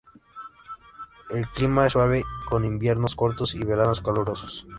El clima es suave, con inviernos cortos y veranos calurosos.